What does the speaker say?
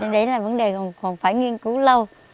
đấy là vấn đề còn phải nghiên cứu lâu